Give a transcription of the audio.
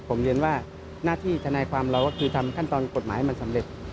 ผมเรียนว่าหน้าที่ทนายความเราก็คือทำขั้นตอนกฎหมายให้มันสำเร็จ